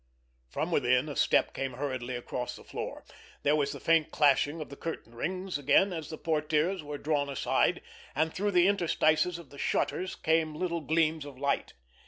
From within a step came hurriedly across the floor, there was the faint clashing of the curtain rings again as the portières were drawn aside, and through the interstices of the shutters came little gleams of light.